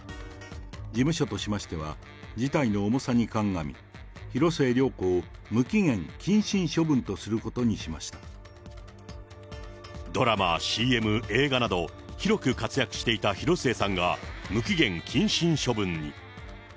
事務所としましては、事態の重さに鑑み、広末涼子を無期限謹慎処分とすることにしましドラマ、ＣＭ、映画など、広く活躍していた広末さんが、無期限謹慎処分に。